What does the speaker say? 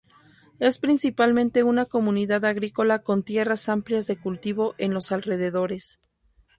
Es principalmente una comunidad agrícola con tierras amplias de cultivo en los alrededores.